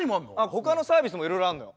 他のサービスもいろいろあんのよ。